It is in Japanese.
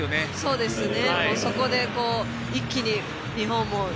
そうですね。